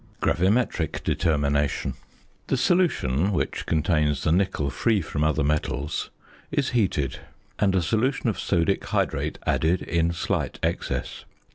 GRAVIMETRIC DETERMINATION. The solution, which contains the nickel free from other metals, is heated, and a solution of sodic hydrate added in slight excess.